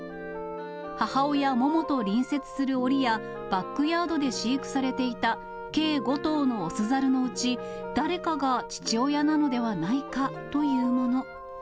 母親、モモと隣接するおりや、バックヤードで飼育されていた計５頭の雄ザルのうち、誰かが父親なのではないかというもの。